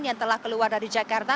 yang telah keluar dari jakarta